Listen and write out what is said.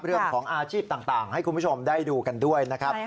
เรื่องของอาชีพต่างให้คุณผู้ชมได้ดูกันด้วยนะครับ